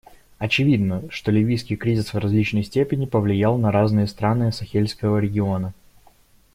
Очевидно, что ливийский кризис в различной степени повлиял на разные страны Сахельского региона.